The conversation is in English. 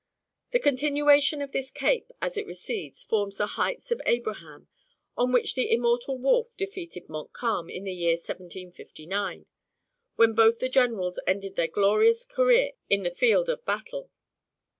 The continuation of this cape, as it recedes, forms the Heights of Abraham, on which the immortal Wolfe defeated Montcalm, in the year 1759, when both the generals ended their glorious career on the field of battle.